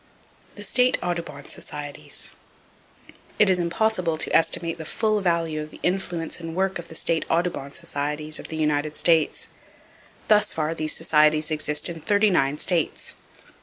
The State Audubon Societies. —It is impossible to estimate the full value of the influence and work of the State Audubon Societies of the United States. Thus far these societies exist in thirty nine states.